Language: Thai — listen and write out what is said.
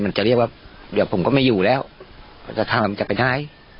จะเรียกว่าเดี๋ยวผมก็ไม่อยู่แล้วมันจะทำจะไปไหน